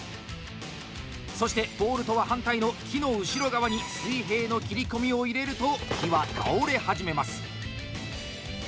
そして、ポールとは反対の木の後ろ側に水平の切り込みを入れると木は倒れ始めます。